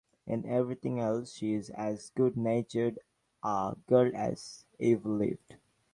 In everything else she is as good-natured a girl as ever lived.